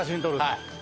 はい。